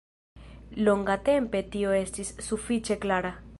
Longatempe tio estis sufiĉe klara.